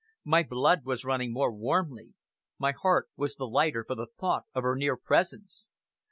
My blood was running more warmly, my heart was the lighter for the thought of her near presence.